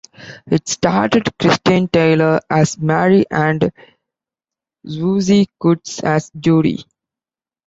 It starred Christine Taylor as Mary and Swoosie Kurtz as Judy.